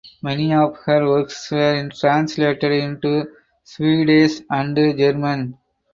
Many of her works were translated into Swedish and German.